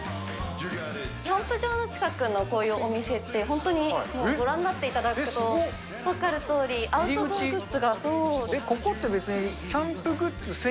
キャンプ場の近くのこういうお店って、本当に、もうご覧になっていただくと分かるとおり、アウトドアグッズが。